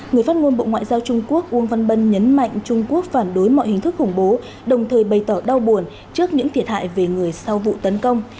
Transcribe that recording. người phát ngôn bộ ngoại giao trung quốc uông văn bân nhấn mạnh trung quốc phản đối mọi hình thức khủng bố đồng thời bày tỏ đau buồn trước những thiệt hại về người sau vụ tấn công